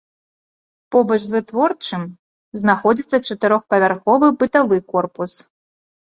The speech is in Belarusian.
Побач з вытворчым знаходзіцца чатырохпавярховы бытавы корпус.